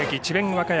和歌山